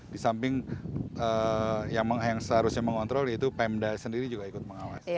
di samping yang seharusnya mengontrol yaitu pemda sendiri juga ikut mengawasi